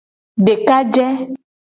Dekaje.